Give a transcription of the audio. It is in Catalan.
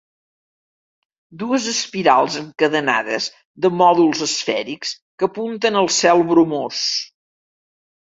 Dues espirals encadenades de mòduls esfèrics que apunten al cel bromós.